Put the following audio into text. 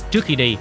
trước khi đi